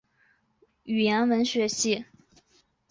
毕业于北京大学西方语言文学系。